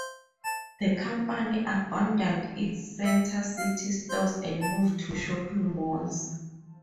The company abandoned its center-city stores and moved to shopping malls.